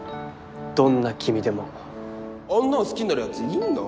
どんな君でもあんなの好きになるヤツいんの？